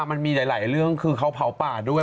มันมีหลายเรื่องคือเขาเผาป่าด้วย